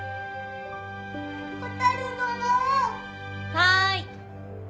はい。